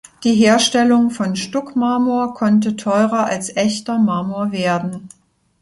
Die Herstellung von Stuckmarmor konnte teurer als echter Marmor werden.